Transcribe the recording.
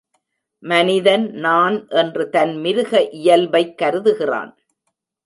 மனிதன் நான் என்று தன் மிருக இயல்பை கருதுகிறான்.